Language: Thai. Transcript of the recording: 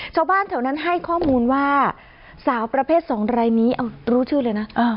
ชาวบ้านแถวนั้นให้ข้อมูลว่าสาวประเภท๒รายนี้รู้ชื่อเลยนะ